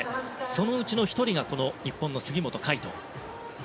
そのうちの１人が日本の杉本海誉斗。